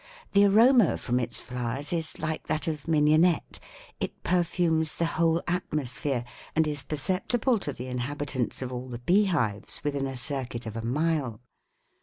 The aroma from its flowers is like that of mignonette; it perfumes the whole atmosphere, and is perceptible to the inhabitants of all the beehives within a circuit of a mile.